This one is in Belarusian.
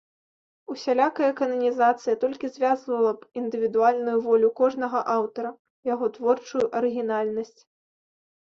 Усялякая кананізацыя толькі звязвала б індывідуальную волю кожнага аўтара, яго творчую арыгінальнасць.